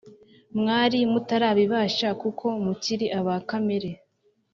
mwari mutarabibasha, kuko mukiri aba kamere.